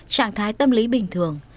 trạng thái tâm lý bình thường